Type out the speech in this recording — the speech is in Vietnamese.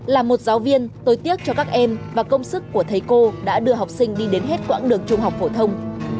là một giáo viên tối tiếc cho các em và công sức của thầy cô đã đưa học sinh đi đến hết quãng đường trung học phổ thông